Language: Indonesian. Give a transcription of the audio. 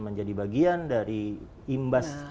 menjadi bagian dari imbas